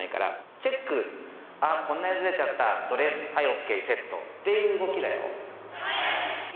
チェック、あっ、こんなにずれちゃった、ドレス、はい、ＯＫ、セットっていう動きだよ。